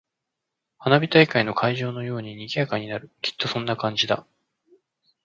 花火大会の会場のように賑やかになる。きっとそんな感じだ。